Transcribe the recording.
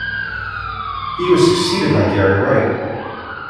He was succeeded by Gary Wright.